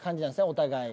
お互い。